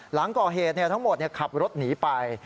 หลังก่อเหตุทั้งหมดขับรถหนีไป